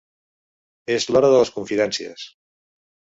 És l'hora de les confidències.